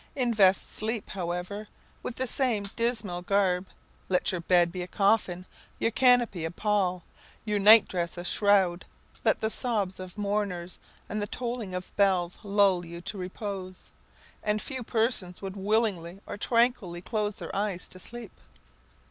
Invest sleep, however, with the same dismal garb; let your bed be a coffin, your canopy a pall, your night dress a shroud; let the sobs of mourners, and the tolling of bells lull you to repose, and few persons would willingly, or tranquilly, close their eyes to sleep.